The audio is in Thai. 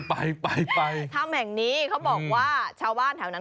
ไปไปถ้ำแห่งนี้เขาบอกว่าชาวบ้านแถวนั้น